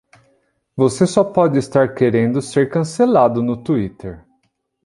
Você só pode estar querendo ser cancelado no Twitter